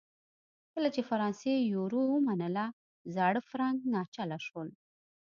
کله چې فرانسې یورو ومنله زاړه فرانک ناچله شول.